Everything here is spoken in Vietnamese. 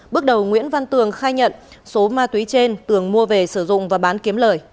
bước đầu nguyễn văn tường khai nhận số ma túy trên tường mua về sử dụng và bán kiếm lời